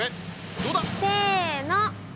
どうだ？せの！